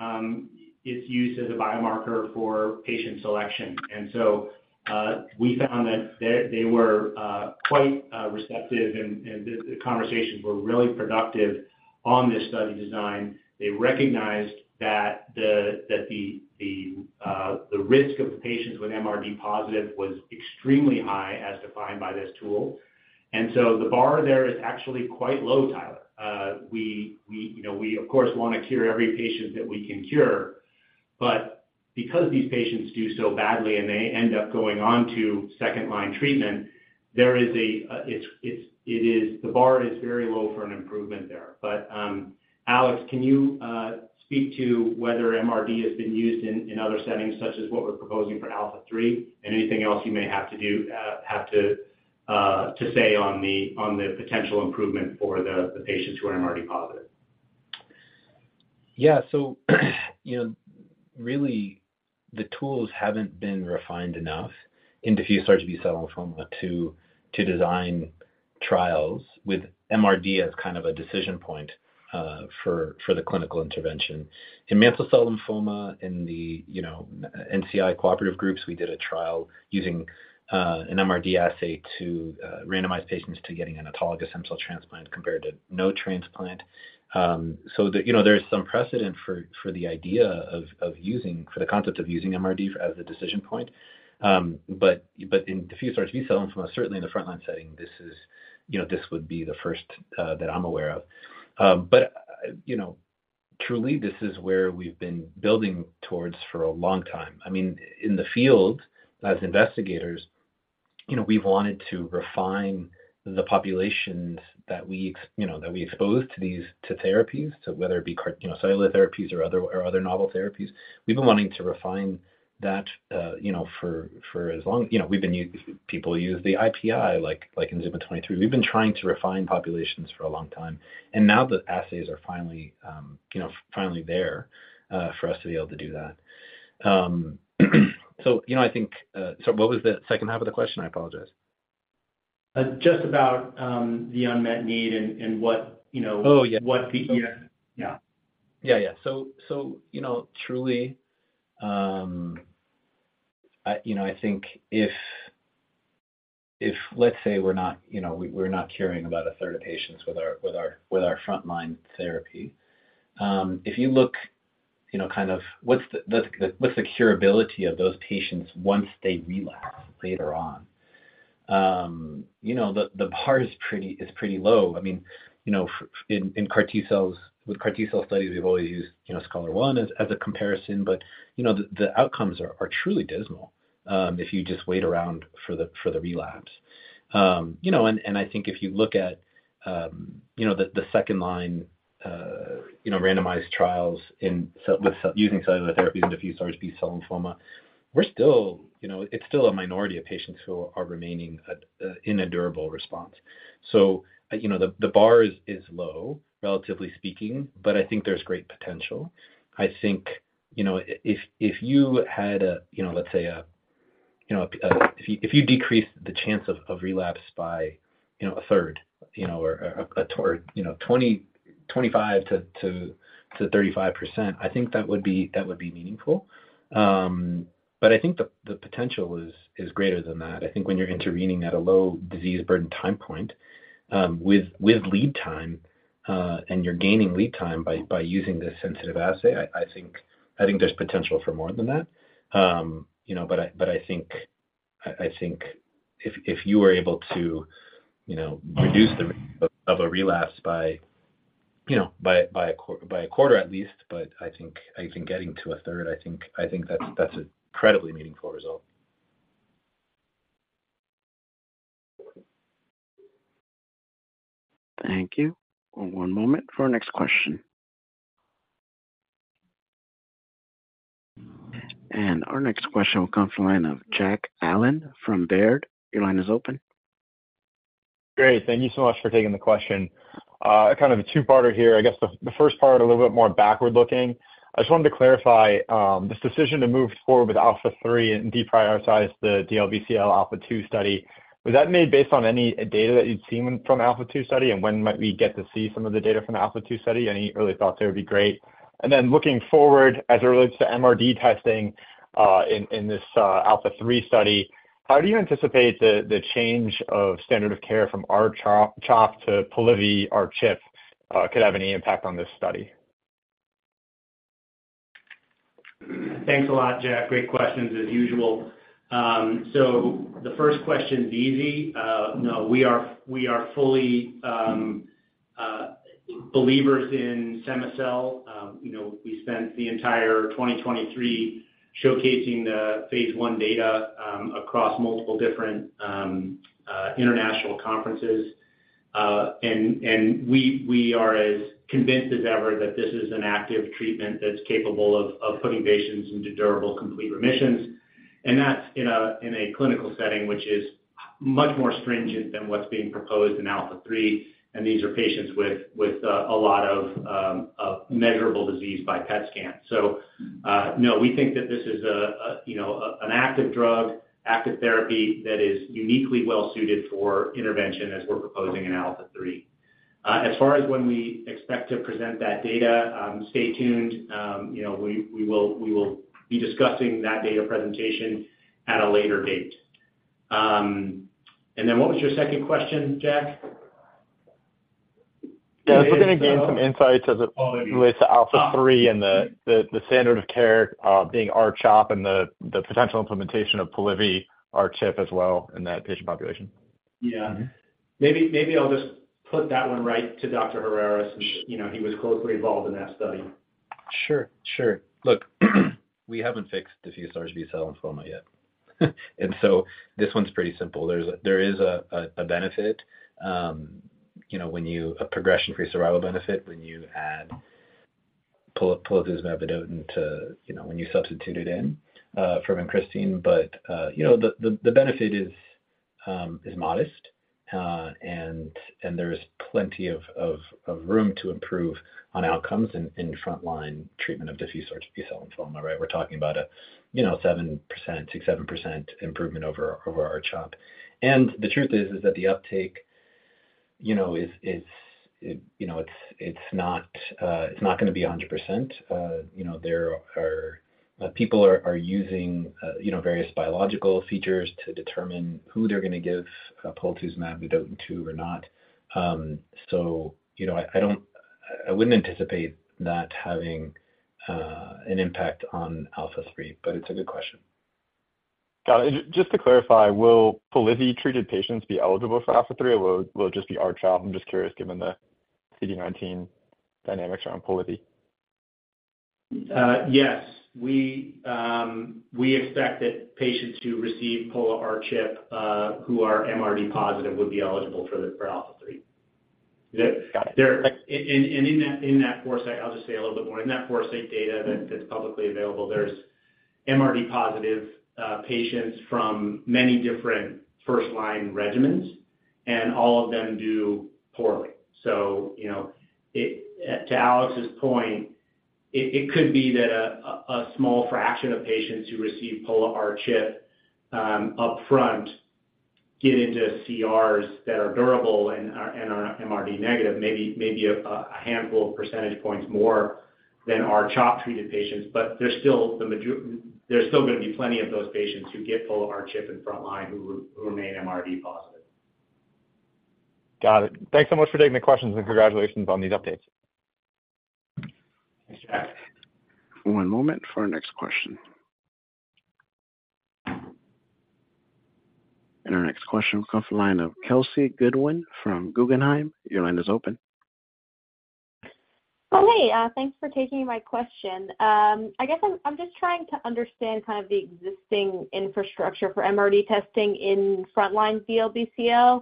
its use as a biomarker for patient selection. And so, we found that they were quite receptive and the conversations were really productive on this study design. They recognized that the risk of patients with MRD positive was extremely high as defined by this tool. And so the bar there is actually quite low, Tyler. You know, we, of course, want to cure every patient that we can cure, but because these patients do so badly and they end up going on to second-line treatment, there is a, it is. The bar is very low for an improvement there. But, Alex, can you speak to whether MRD has been used in other settings, such as what we're proposing for ALPHA3? Anything else you may have to say on the potential improvement for the patients who are MRD positive? Yeah. So, you know, really, the tools haven't been refined enough in Diffuse Large B-Cell Lymphoma to design trials with MRD as kind of a decision point for the clinical intervention. In Mantle Cell Lymphoma, in the, you know, NCI cooperative groups, we did a trial using an MRD assay to randomize patients to getting an autologous stem cell transplant compared to no transplant. So the, you know, there is some precedent for the concept of using MRD as a decision point. But in Diffuse Large B-Cell Lymphoma, certainly in the frontline setting, this is, you know, this would be the first that I'm aware of. But, you know, truly, this is where we've been building towards for a long time. I mean, in the field, as investigators, you know, we've wanted to refine the populations that we expose to these, to therapies, so whether it be CAR T, you know, cellular therapies or other, or other novel therapies, we've been wanting to refine that, you know, for, for as long... You know, people use the IPI, like, like in ZUMA-23. We've been trying to refine populations for a long time, and now the assays are finally, you know, finally there, for us to be able to do that. So, you know, I think... Sorry, what was the second half of the question? I apologize. Just about the unmet need and what, you know- Oh, yeah. What the, yeah. Yeah, yeah. So, you know, truly, I think if let's say we're not curing about a third of patients with our frontline therapy, if you look, you know, kind of what's the curability of those patients once they relapse later on? You know, the bar is pretty low. I mean, you know, in CAR T cell studies, we've always used SCHOLAR-1 as a comparison, but, you know, the outcomes are truly dismal if you just wait around for the relapse. You know, and I think if you look at the second line randomized trials using cellular therapy in diffuse large B-cell lymphoma, we're still, you know, it's still a minority of patients who are remaining in a durable response. So, you know, the bar is low, relatively speaking, but I think there's great potential. I think you know, if you had, you know, let's say, if you decrease the chance of relapse by a third or toward 25%-35%, I think that would be meaningful. But I think the potential is greater than that. I think when you're intervening at a low disease burden time point, with lead time, and you're gaining lead time by using this sensitive assay, I think there's potential for more than that. You know, but I think if you were able to, you know, reduce the risk of a relapse by, you know, by a quarter at least, but I think getting to a third, I think that's an incredibly meaningful result. Thank you. One moment for our next question. Our next question will come from the line of Jack Allen from Baird. Your line is open. Great. Thank you so much for taking the question. Kind of a two-parter here. I guess the first part, a little bit more backward-looking. I just wanted to clarify this decision to move forward with ALPHA3 and deprioritize the DLBCL ALPHA2 study. Was that made based on any data that you'd seen from ALPHA2 study? And when might we get to see some of the data from the ALPHA2 study? Any early thoughts there would be great. And then looking forward, as it relates to MRD testing, in this ALPHA3 study, how do you anticipate the change of standard of care from R-CHOP, CHOP to Polivy-R-CHP could have any impact on this study? Thanks a lot, Jack. Great questions as usual. So the first question is easy. No, we are fully believers in cema-cel. You know, we spent the entire 2023 showcasing the phase 1 data across multiple different international conferences. And we are as convinced as ever that this is an active treatment that's capable of putting patients into durable, complete remissions. And that's in a clinical setting, which is much more stringent than what's being proposed in ALPHA3, and these are patients with a lot of measurable disease by PET scan. So, no, we think that this is a you know, an active drug, active therapy that is uniquely well suited for intervention as we're proposing in ALPHA3. As far as when we expect to present that data, stay tuned. You know, we will be discussing that data presentation at a later date. And then what was your second question, Jack? Yeah. If we're gonna gain some insights as it relates to ALPHA3 and the standard of care being R-CHOP and the potential implementation of Polivy-R-CHP as well in that patient population. Yeah. Maybe, maybe I'll just put that one right to Dr. Herrera, and, you know, he was closely involved in that study. Sure, sure. Look, we haven't fixed diffuse large B-cell lymphoma yet. And so this one's pretty simple. There is a benefit, you know, when you add polatuzumab vedotin to, you know, when you substitute it in for vincristine. But you know, the benefit is modest, and there's plenty of room to improve on outcomes in frontline treatment of diffuse large B-cell lymphoma, right? We're talking about a 7%, 6%-7% improvement over R-CHOP. And the truth is that the uptake, you know, is, it's, you know, it's not gonna be 100%. You know, there are people using, you know, various biological features to determine who they're gonna give polatuzumab vedotin to or not. So, you know, I don't. I wouldn't anticipate that having an impact on ALPHA3, but it's a good question. Got it. Just to clarify, will Polivy-treated patients be eligible for ALPHA3, or will it just be R-CHOP? I'm just curious, given the CD19 dynamics around Polivy. Yes. We expect that patients who receive Pola-R-CHP who are MRD positive would be eligible for ALPHA3. Got it. In that Foresight, I'll just say a little bit more. In that Foresight data that's publicly available, there's MRD positive patients from many different first-line regimens, and all of them do poorly. So you know, to Alex's point, it could be that a small fraction of patients who receive Pola-R-CHP upfront get into CRs that are durable and are MRD negative, maybe a handful of percentage points more than R-CHOP-treated patients. But there's still gonna be plenty of those patients who get Pola-R-CHP in frontline who remain MRD positive. Got it. Thanks so much for taking the questions, and congratulations on these updates. Thanks, Jack. One moment for our next question. Our next question comes from the line of Kelsey Goodwin from Guggenheim. Your line is open. Hey, thanks for taking my question. I guess I'm just trying to understand kind of the existing infrastructure for MRD testing in frontline DLBCL.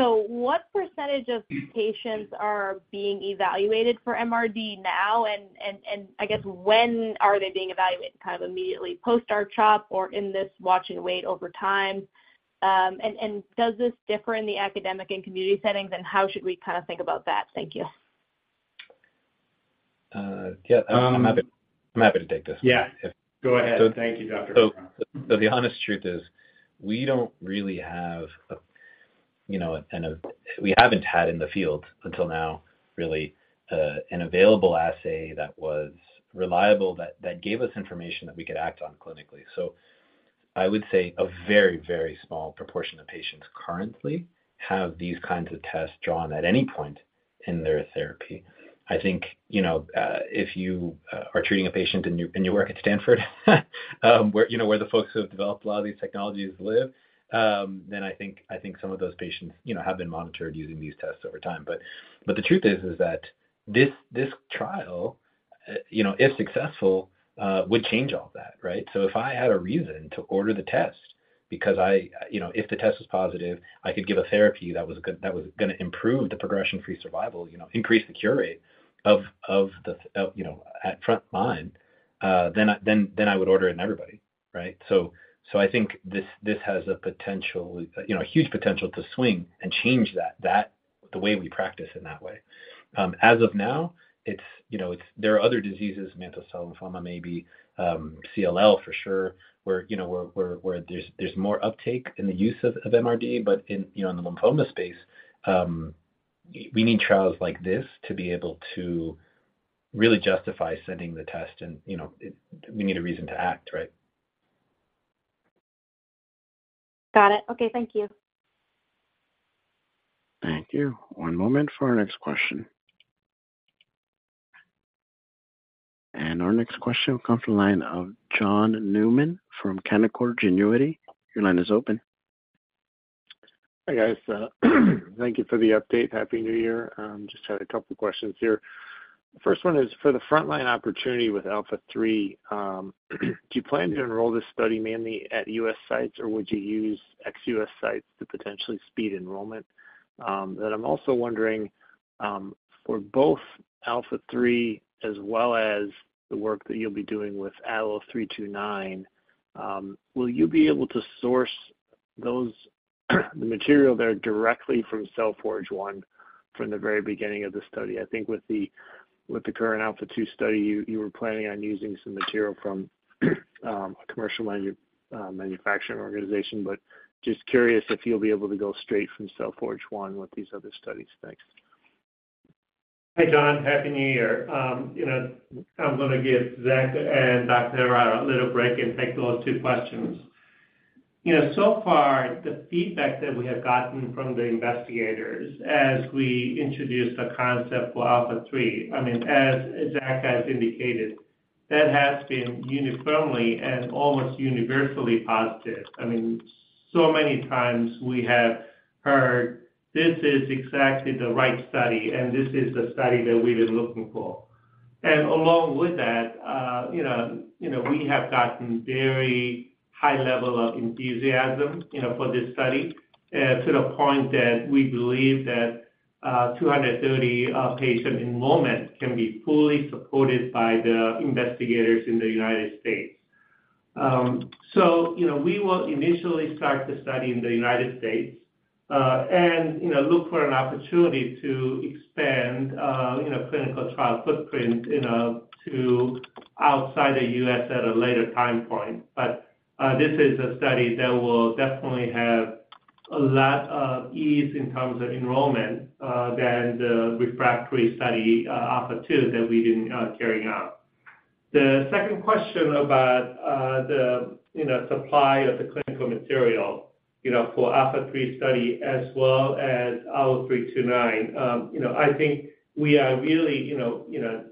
So what percentage of patients are being evaluated for MRD now? And I guess when are they being evaluated, kind of immediately post R-CHOP or in this watch and wait over time? And does this differ in the academic and community settings, and how should we kind of think about that? Thank you. Yeah, I'm happy, I'm happy to take this. Yeah. Go ahead. Thank you, Dr. Herrera. So the honest truth is, we don't really have a, you know, and a-- we haven't had in the field until now, really, an available assay that was reliable, that gave us information that we could act on clinically. So I would say a very, very small proportion of patients currently have these kinds of tests drawn at any point in their therapy. I think, you know, if you are treating a patient and you work at Stanford, where, you know, where the folks who have developed a lot of these technologies live, then I think some of those patients, you know, have been monitored using these tests over time. But the truth is that this trial, you know, if successful, would change all that, right? So if I had a reason to order the test because I, you know, if the test was positive, I could give a therapy that was good, that was gonna improve the progression-free survival, you know, increase the cure rate of, of the, of, you know, at front line, then I, then, then I would order it in everybody, right? So, so I think this, this has a potential, you know, a huge potential to swing and change that, that the way we practice in that way. As of now, it's, you know, it's. There are other diseases, mantle cell lymphoma, maybe, CLL, for sure, where, you know, where there's more uptake in the use of MRD, but in, you know, in the lymphoma space, we need trials like this to be able to really justify sending the test and, you know, it. We need a reason to act, right? Got it. Okay. Thank you. Thank you. One moment for our next question. Our next question comes from the line of John Newman from Canaccord Genuity. Your line is open. Hi, guys. Thank you for the update. Happy New Year. Just had a couple of questions here. The first one is for the frontline opportunity with ALPHA3. Do you plan to enroll this study mainly at U.S. sites, or would you use ex-U.S. sites to potentially speed enrollment? Then I'm also wondering, for both ALPHA3 as well as the work that you'll be doing with ALLO-329, will you be able to source those, the material there directly from Cell Forge 1 from the very beginning of the study? I think with the current ALPHA2 study, you were planning on using some material from a commercial manufacturing organization, but just curious if you'll be able to go straight from Cell Forge 1 with these other studies. Thanks. Hi, John. Happy New Year. You know, I'm going to give Zach and Dr. Herrera a little break and take those two questions. You know, so far, the feedback that we have gotten from the investigators as we introduced the concept for ALPHA3, I mean, as Zach has indicated, that has been uniformly and almost universally positive. I mean, so many times we have heard, "This is exactly the right study, and this is the study that we've been looking for." And along with that, you know, we have gotten very high level of enthusiasm, you know, for this study, to the point that we believe that 230 patient enrollment can be fully supported by the investigators in the United States. So, you know, we will initially start the study in the United States, and, you know, look for an opportunity to expand, you know, clinical trial footprint, you know, to outside the U.S. at a later time point. But, this is a study that will definitely have a lot of ease in terms of enrollment than the refractory study, ALPHA2, that we didn't carrying out. The second question about the, you know, supply of the clinical material, you know, for ALPHA3 study as well as ALLO-329. You know, I think we are really, you know, you know, you know,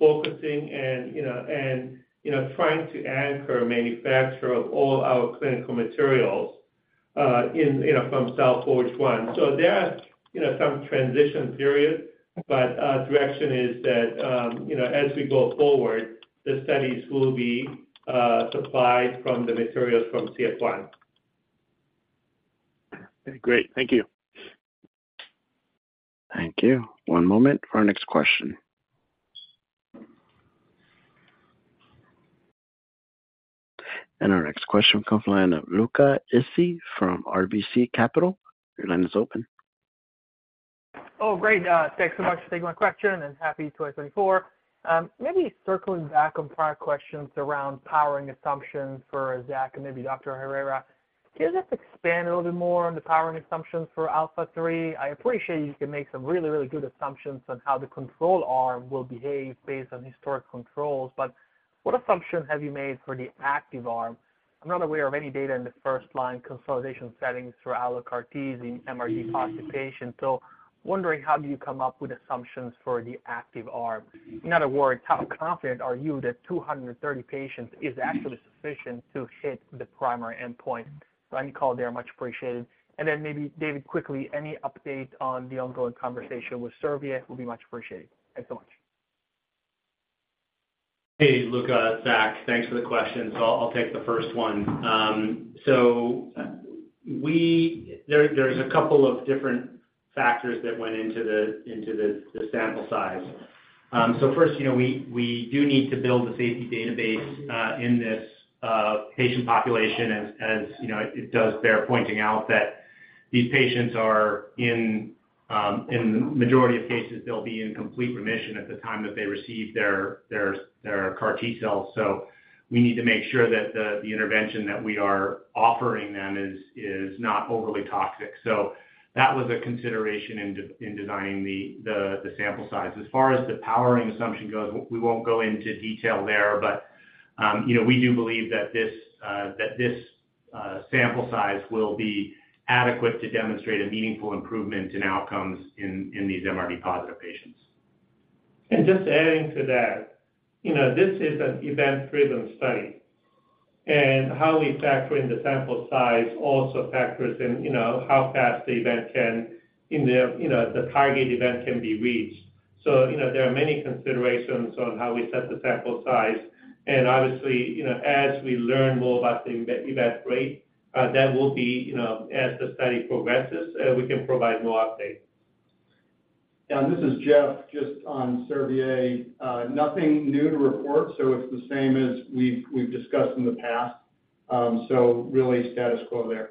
focusing and, you know, and, you know, trying to anchor manufacture of all our clinical materials, in, you know, from Cell Forge 1. So there are, you know, some transition period, but direction is that, you know, as we go forward, the studies will be supplied from the materials from CF1. Great. Thank you. Thank you. One moment for our next question. Our next question comes from the line of Luca Issi from RBC Capital. Your line is open. Oh, great, thanks so much for taking my question, and Happy 2024. Maybe circling back on prior questions around powering assumptions for Zach and maybe Dr. Herrera. Can you just expand a little bit more on the powering assumptions for ALPHA3? I appreciate you can make some really, really good assumptions on how the control arm will behave based on historic controls, but what assumptions have you made for the active arm? I'm not aware of any data in the first line consolidation settings for allo CAR T in MRD-positive patients. So wondering, how do you come up with assumptions for the active arm? In other words, how confident are you that 230 patients is actually sufficient to hit the primary endpoint? So any call there, much appreciated. And then maybe, David, quickly, any update on the ongoing conversation with Servier will be much appreciated. Thanks so much. Hey, Luca, Zach. Thanks for the question. So I'll take the first one. So there's a couple of different factors that went into the sample size. So first, you know, we do need to build a safety database in this patient population, as you know, it does bear pointing out that-... These patients are in, in the majority of cases, they'll be in complete remission at the time that they receive their CAR T cells. So we need to make sure that the intervention that we are offering them is not overly toxic. So that was a consideration in designing the sample size. As far as the powering assumption goes, we won't go into detail there, but, you know, we do believe that this sample size will be adequate to demonstrate a meaningful improvement in outcomes in these MRD positive patients. Just adding to that, you know, this is an event-driven study, and how we factor in the sample size also factors in, you know, how fast the event can, you know, the target event can be reached. So, you know, there are many considerations on how we set the sample size. Obviously, you know, as we learn more about the event, event rate, that will be, you know, as the study progresses, we can provide more updates. This is Jeff. Just on Servier, nothing new to report, so it's the same as we've discussed in the past. So really status quo there.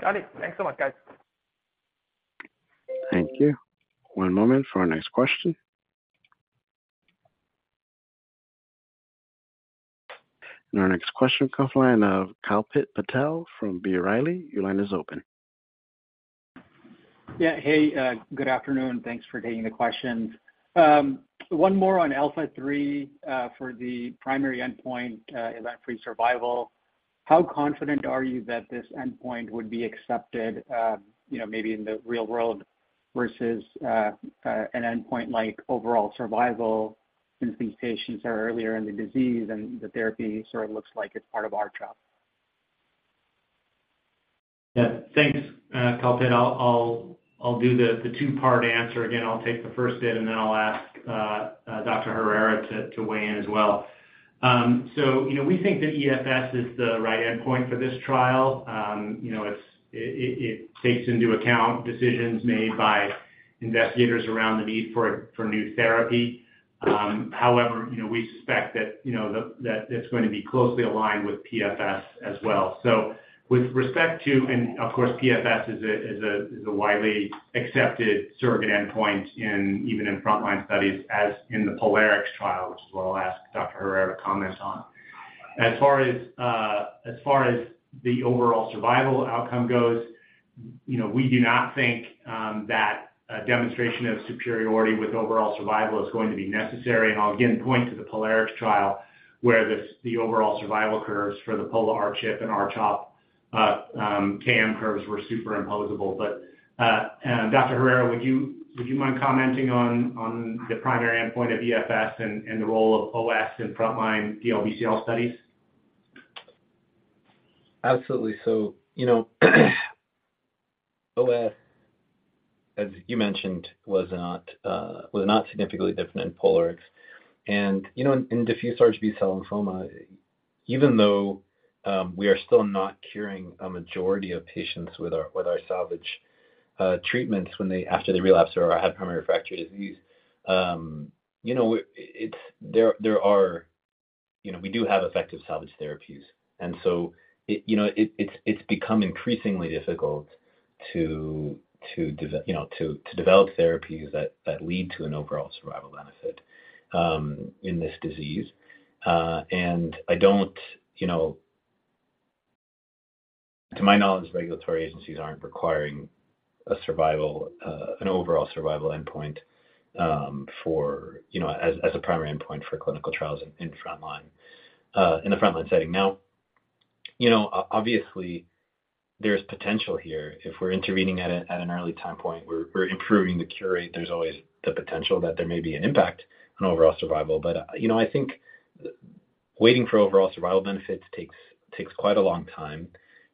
Got it. Thanks so much, guys. Thank you. One moment for our next question. Our next question comes from the line of Kalpit Patel from B. Riley. Your line is open. Yeah. Hey, good afternoon. Thanks for taking the questions. One more on ALPHA3, for the primary endpoint, event-free survival. How confident are you that this endpoint would be accepted, you know, maybe in the real world versus, an endpoint like overall survival, since these patients are earlier in the disease and the therapy sort of looks like it's part of R-CHOP? Yeah, thanks, Kalpit. I'll do the two-part answer. Again, I'll take the first bit, and then I'll ask Dr. Herrera to weigh in as well. So, you know, we think that EFS is the right endpoint for this trial. You know, it takes into account decisions made by investigators around the need for new therapy. However, you know, we suspect that it's going to be closely aligned with PFS as well. So with respect to, and of course, PFS is a widely accepted surrogate endpoint in, even in frontline studies, as in the POLARIX trial, which is what I'll ask Dr. Herrera to comment on. As far as, as far as the overall survival outcome goes, you know, we do not think that a demonstration of superiority with overall survival is going to be necessary. And I'll, again, point to the POLARIX trial, where this, the overall survival curves for the Pola-R-CHP and R-CHOP, KM curves were superimposable. But, and Dr. Herrera, would you mind commenting on the primary endpoint of EFS and the role of OS in frontline DLBCL studies? Absolutely. So, you know, OS, as you mentioned, was not significantly different in POLARIX. In diffuse large B-cell lymphoma, even though we are still not curing a majority of patients with our salvage treatments when they relapse or have primary refractory disease, you know, there are. You know, we do have effective salvage therapies, and so it, you know, it, it's become increasingly difficult to develop therapies that lead to an overall survival benefit in this disease. And I don't, you know, to my knowledge, regulatory agencies aren't requiring a survival, an overall survival endpoint for, you know, as a primary endpoint for clinical trials in frontline, in the frontline setting. Now, you know, obviously, there's potential here. If we're intervening at an early time point, we're improving the cure rate, there's always the potential that there may be an impact on overall survival. But, you know, I think waiting for overall survival benefits takes quite a long time.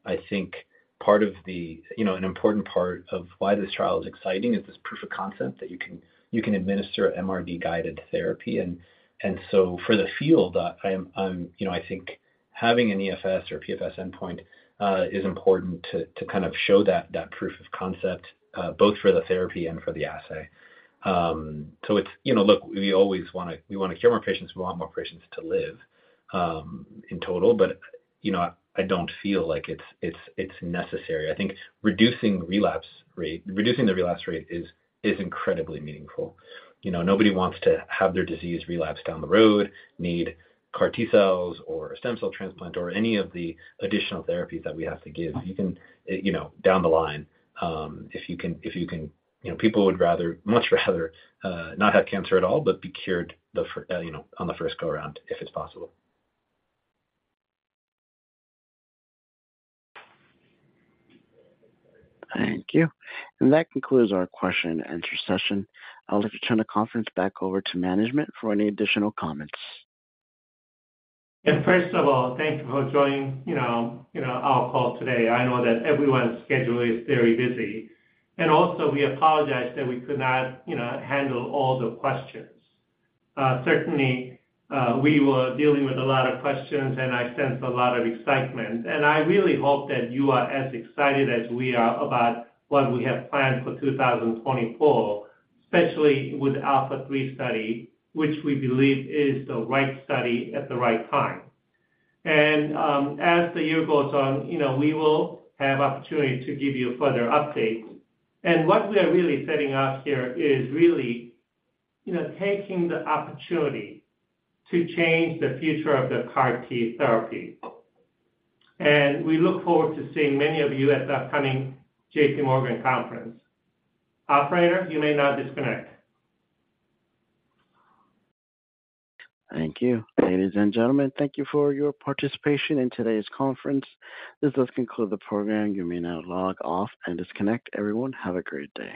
I think part of the, you know, an important part of why this trial is exciting is this proof of concept that you can administer MRD-guided therapy. And so for the field, I'm, you know, I think having an EFS or PFS endpoint is important to kind of show that proof of concept both for the therapy and for the assay. So it's, you know, look, we always wanna cure more patients. We want more patients to live in total, but, you know, I don't feel like it's necessary. I think reducing relapse rate, reducing the relapse rate is incredibly meaningful. You know, nobody wants to have their disease relapse down the road, need CAR T cells or a stem cell transplant or any of the additional therapies that we have to give. You can, you know, down the line, if you can, if you can, you know, people would rather, much rather, not have cancer at all, but be cured the, you know, on the first go around, if it's possible. Thank you. That concludes our question and answer session. I'll let you turn the conference back over to management for any additional comments. First of all, thank you for joining, you know, you know, our call today. I know that everyone's schedule is very busy. Also, we apologize that we could not, you know, handle all the questions. Certainly, we were dealing with a lot of questions, and I sense a lot of excitement, and I really hope that you are as excited as we are about what we have planned for 2024, especially with ALPHA3 study, which we believe is the right study at the right time. As the year goes on, you know, we will have opportunity to give you further updates. What we are really setting up here is really, you know, taking the opportunity to change the future of the CAR T therapy. We look forward to seeing many of you at the upcoming JP Morgan conference. Operator, you may now disconnect. Thank you. Ladies and gentlemen, thank you for your participation in today's conference. This does conclude the program. You may now log off and disconnect. Everyone, have a great day.